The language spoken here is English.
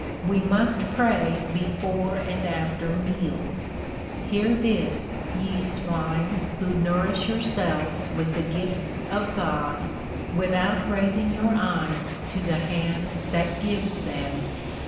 "We must pray before and after meals. Hear this, ye swine who nourish yourselves with the gifts of God, without raising your eyes to the hand that gives them."